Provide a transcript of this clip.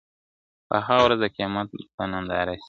په هغه ورځ د قیامت په ننداره سي ..